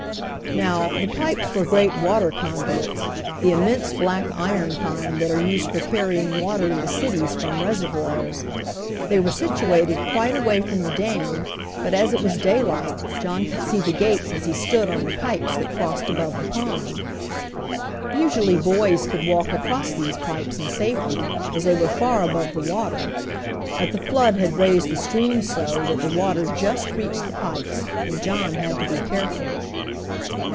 Now, the pipes were great water conduits, the immense black iron kind that are used for carrying water into cities from reservoirs. They were situated quite a way from the dam, but as it was daylight John could see the gates as he stood on the pipes that crossed above the pond. Usually boys could walk across these pipes in safety, as they were far above the water, but the flood had raised the stream so that the water just reached the pipes, and John had to be careful.